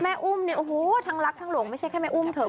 แม่อู้มทั้งลักทั้งหลงไม่ใช่แค่แม่อู้มเถอะ